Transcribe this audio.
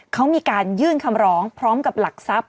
เขามีการยื่นคำร้องพร้อมกับหลักทรัพย